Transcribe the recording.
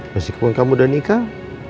meskipun kamu udah nikah